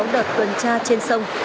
sáu mươi sáu đợt tuần tra trên sông